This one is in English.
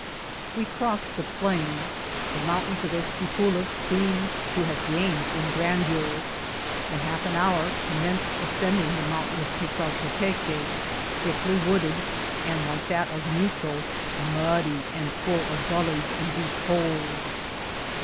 We crossed the plain ; the mountains of Esquipulas seemed to have gained in grandeur ; in half an hour commenced ascending the Mountain of Quezaltepeque, thickly wooded, and, like that of Mico, muddy and fall of guUies and de^ holes.